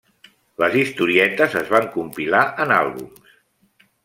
Les historietes es van compilar en àlbums.